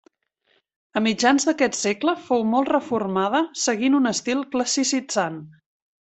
A mitjans d'aquest segle fou molt reformada seguint un estil classicitzant.